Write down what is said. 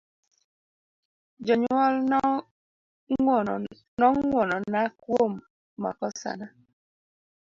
Jonyuol no ngwonona kuom makosana.